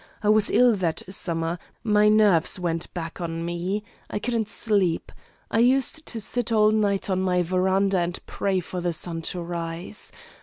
I was ill that summer; my nerves went back on me. I couldn't sleep. I used to sit all night on my veranda and pray for the sun to rise.